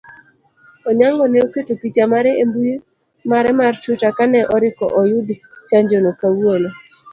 Onyango ne oketo picha mare embui mare mar twitter kane oriko oyudo chanjono kawuono